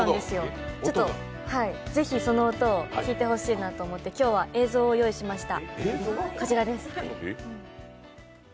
是非、その音を聞いてほしいなと思って今日は映像を用意しました。